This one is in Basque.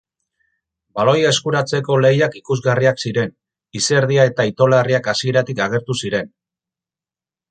Baloia eskuratzeko lehiak ikusgarriak ziren, izerdia eta itolarriak hasieratik agertu ziren.